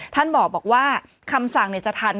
ท่านบอกว่าคำสั่งจะทัน